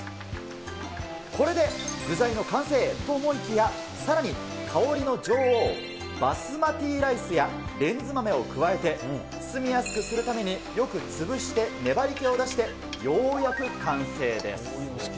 これで具材の完成と思いきや、さらに香りの女王、バスマティライスやレンズ豆を加えて、包みやすくするために、よく潰して粘りけを出して、ようやく完成です。